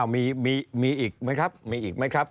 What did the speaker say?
มีอีกไหมครับมีอีกไหมครับ